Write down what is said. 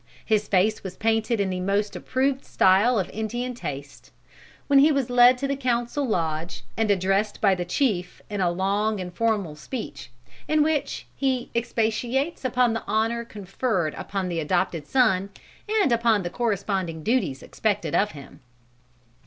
His face was painted in the most approved style of Indian taste, when he was led to the council lodge and addressed by the chief in a long and formal speech, in which he expatiates upon the honor conferred upon the adopted son, and upon the corresponding duties expected of him.